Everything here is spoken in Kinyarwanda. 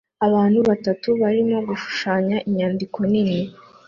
Abantu batatu barimo gushushanya inyandiko nini